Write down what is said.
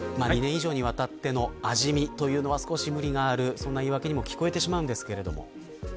２年以上にわたっての味見というのは少し無理があるそんな言い訳にも聞こえてしまうんですけど。